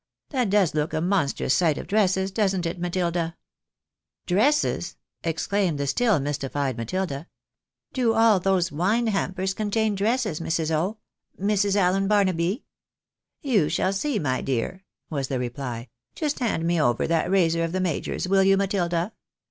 That does look a monstrous sight of dresses, doesn't it, Matilda ?" "Dresses!" exclaimed the still mystified Matilda. "Do all .92 THE BAENABYS IN AMERICA those wine hampers contain dresses, Mrs. O — Mrs. Allen Bar naby?" " You shall see, my dear," was the reply. " Just hand me over that razor of the major's, will you, Matilda?